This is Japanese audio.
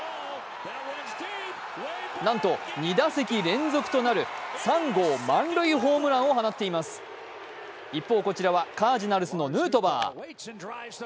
なんと、２打席連続となる３号満塁ホームランを放っています一方、こちらはカージナルスのヌートバー。